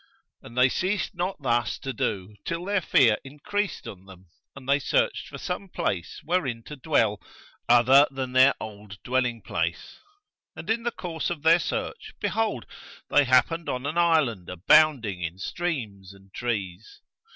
And they ceased not thus to do till their fear increased on them and they searched for some place wherein to dwell other than their old dwelling place; and in the course of their search behold, they happened on an island abounding in streams and trees.